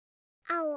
あお。